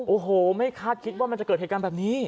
โอ้โหไม่คาดคิดว่ามันจะเกิดเหตุการณ์แบบนี้